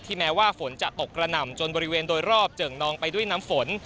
แม้ว่าฝนจะตกกระหน่ำจนบริเวณโดยรอบเจิ่งนองไปด้วยน้ำฝน